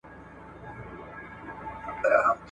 او مرغانو ته ایږدي د مرګ دامونه `